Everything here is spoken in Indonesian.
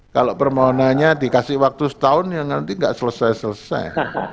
kalau permohonannya dikasih waktu setahun ya nanti nggak selesai selesai